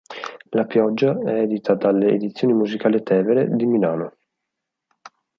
La pioggia è edita dalle Edizioni musicali Tevere di Milano.